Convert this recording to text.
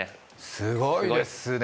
すごいですね